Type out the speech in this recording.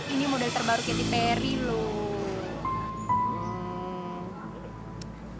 ini mau dari terbaru katy perry loh